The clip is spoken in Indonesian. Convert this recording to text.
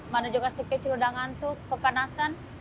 mana juga si kecil udah ngantuk kepanasan